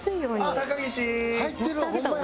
高岸！